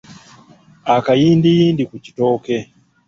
Akayindiyindi ku kitooke.